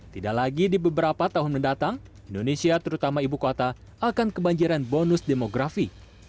tidak lagi di beberapa tahun mendatang indonesia terutama ibu kota akan kebanjiran bonus demografi